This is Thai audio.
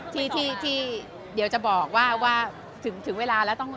ที่ที่เดี๋ยวจะบอกว่าว่าถึงเวลาแล้วต้อง